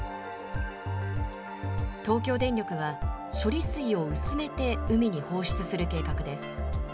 東京電力は、処理水を薄めて海に放出する計画です。